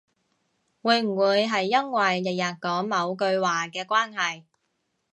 會唔會係因為日日講某句話嘅關係